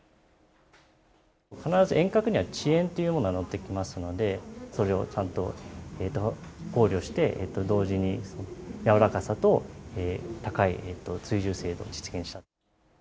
必ず遠隔には遅延というのが乗ってきますので、それをちゃんと考慮して、同時に柔らかさと高い追従精度を実現した。